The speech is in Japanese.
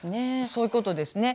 そういうことですね。